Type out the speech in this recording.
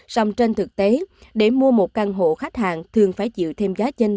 sòng tranh thực tế để mua một căn hộ khách hàng thường phải chịu thêm giá chênh